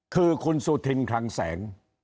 คือคุณสุธินคลังแสง